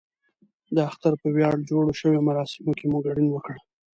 د اختر په ویاړ جوړو شویو مراسمو کې مو ګډون وکړ.